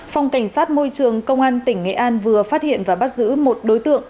phòng cảnh sát môi trường công an tỉnh nghệ an vừa phát hiện và bắt giữ một đối tượng